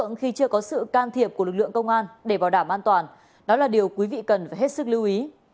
khi chưa có sự can thiệp của lực lượng công an để bảo đảm an toàn đó là điều quý vị cần phải hết sức lưu ý